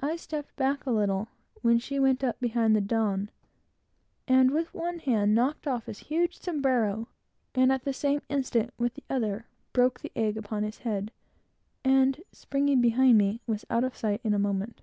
I stepped back a little, when she went up behind the Don, and with one hand knocked off his huge sombrero, and at the same instant, with the other, broke the egg upon his head, and springing behind me, was out of sight in a moment.